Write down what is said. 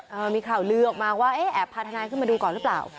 มีข่าวลือออกมาว่าเอ๊ะแอบพาทนายขึ้นมาดูก่อนหรือเปล่า